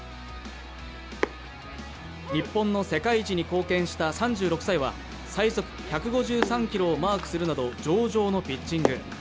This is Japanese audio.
日本の世界一に貢献した３６歳は最速１５３キロをマークするなど上々のピッチング。